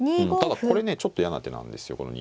うんただこれねちょっと嫌な手なんですよ